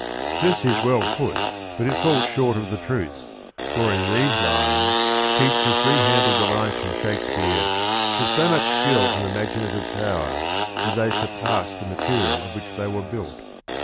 This is well put, but it falls short of the truth, for in these lines Keats has rehandled the lines from Shakespeare with so much skill and imaginative power that they sur pass the material of which they were built.